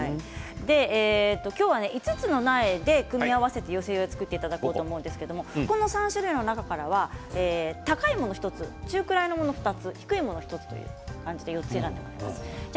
今日は５つの苗で組み合わせて寄せ植えを作っていただこうと思うんですがこの３種類の中から高いもの１つ中くらいのものを２つ低いものを１つということで４つ選びます。